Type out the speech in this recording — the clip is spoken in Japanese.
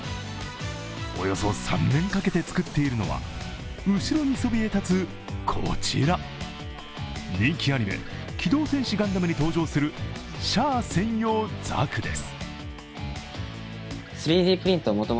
およそ３年かけて作っているのは後ろにそびえ立つ、こちら人気アニメ「機動戦士ガンダム」に登場するシャア専用ザクです。